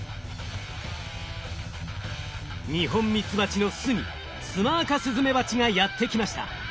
ニホンミツバチの巣にツマアカスズメバチがやって来ました。